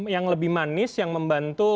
yang lebih manis yang membantu